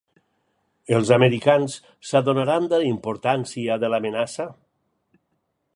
Els americans s’adonaran de la importància de l’amenaça?